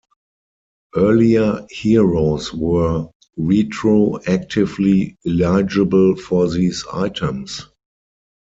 Earlier heroes were retroactively eligible for these items.